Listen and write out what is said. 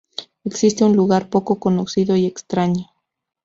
Existe un lugar poco conocido y extraño.